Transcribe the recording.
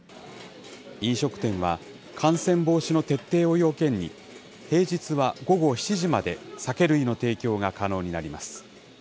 飲食店は、感染防止の徹底を要件に、平日は午後７時まで酒類の提供が可能になります。